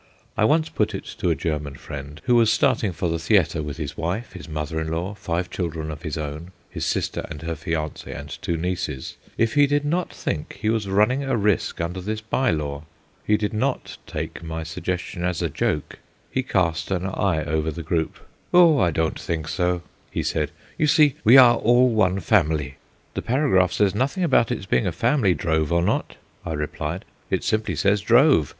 I once put it to a German friend who was starting for the theatre with his wife, his mother in law, five children of his own, his sister and her fiance, and two nieces, if he did not think he was running a risk under this by law. He did not take my suggestion as a joke. He cast an eye over the group. "Oh, I don't think so," he said; "you see, we are all one family." "The paragraph says nothing about its being a family drove or not," I replied; "it simply says 'drove.'